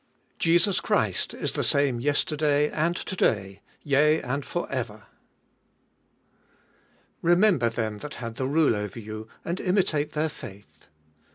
8. Jesus Christ is the same yesterday and to day, yea and for ever. Remember them that had the rule over you, and imitate their faith.